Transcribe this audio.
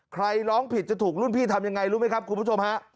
ร้องผิดจะถูกรุ่นพี่ทำยังไงรู้ไหมครับคุณผู้ชมฮะ